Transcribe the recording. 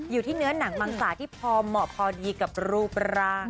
อยู่ที่เนื้อหนังมังสาที่พอเหมาะพอดีกับรูปร่าง